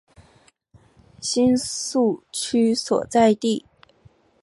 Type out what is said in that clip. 新宿区所在地。